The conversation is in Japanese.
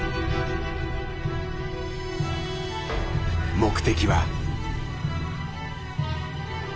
目的は。